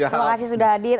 terima kasih sudah hadir